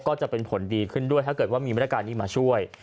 ก็จะเป็นผลดีขึ้นด้วยถ้าเกิดว่ามีมาตรการนี้มาช่วย